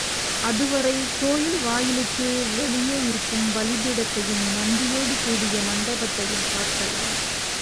அதுவரை கோயில் வாயிலுக்கு வெளியே இருக்கும் பலிபீடத்தையும் நந்தியோடு கூடிய மண்டபத்தையும் பார்க்கலாம்.